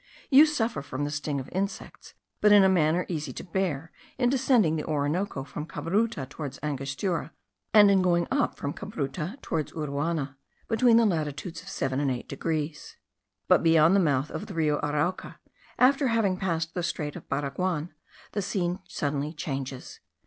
You suffer from the sting of insects, but in a manner easy to bear, in descending the Orinoco from Cabruta towards Angostura, and in going up from Cabruta towards Uruana, between the latitudes of 7 and 8 degrees. But beyond the mouth of the Rio Arauca, after having passed the strait of Baraguan, the scene suddenly changes.